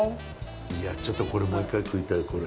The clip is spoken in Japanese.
いや、ちょっとこれもう一回食いたいこれ。